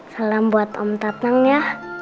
salam buat om tapneng ya